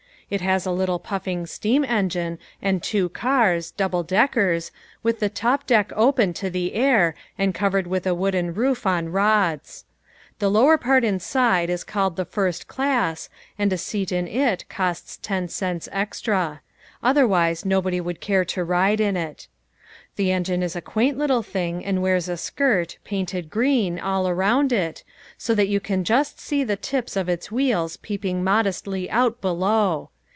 It has a little puffing steam engine and two cars double deckers with the top deck open to the air and covered with a wooden roof on rods. The lower part inside is called the first class and a seat in it costs ten cents extra. Otherwise nobody would care to ride in it. The engine is a quaint little thing and wears a skirt, painted green, all around it, so that you can just see the tips of its wheels peeping modestly out below.